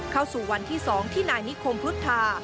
เข้าสู่วันที่๒ที่นายนิคมพุทธา